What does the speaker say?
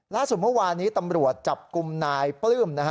ล่าสุดเมื่อวานนี้ตำรวจจับกลุ่มนายปลื้ม